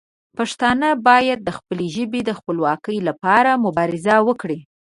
پښتانه باید د خپلې ژبې د خپلواکۍ لپاره مبارزه وکړي.